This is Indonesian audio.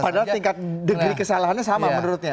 padahal tingkat degree kesalahannya sama menurutnya